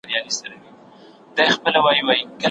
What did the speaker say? په دين کي د زور او جبر لپاره ځای نسته.